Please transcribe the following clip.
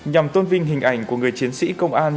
nhằm tôn vinh hình ảnh của người chiến sĩ công an